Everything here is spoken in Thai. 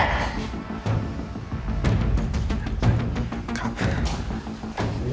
ครับ